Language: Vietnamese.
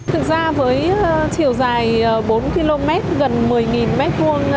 thực ra với chiều dài bốn km gần một mươi m hai tranh vốn